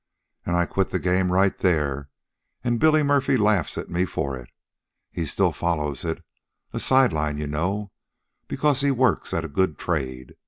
"An' I quit the game right there. An' Billy Murphy's laughed at me for it. He still follows it. A side line, you know, because he works at a good trade.